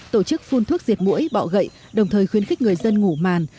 tổ chức phun thuốc diệt mũi bọ gậy đồng thời khuyến khích người dân ngủ màn